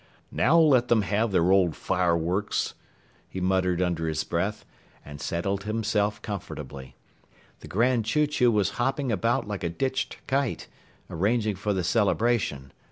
"Now let them have their old fireworks," he muttered under his breath, and settled himself comfortably. The Grand Chew Chew was hopping about like a ditched kite, arranging for the celebration.